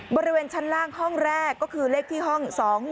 บริเวณชั้นล่างห้องแรกก็คือเลขที่ห้อง๒๖๖